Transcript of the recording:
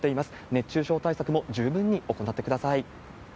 熱中症対策も十分に行ってください。